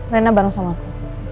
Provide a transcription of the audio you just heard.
rena bareng sama aku